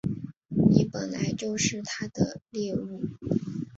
你本来就是他的猎物